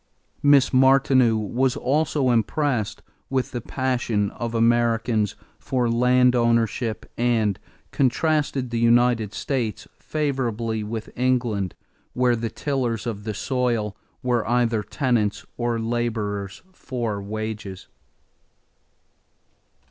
Miss Martineau was also impressed with the passion of Americans for land ownership and contrasted the United States favorably with England where the tillers of the soil were either tenants or laborers for wages.